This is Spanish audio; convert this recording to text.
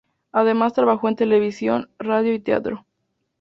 Además trabajó en televisión, radio y teatro.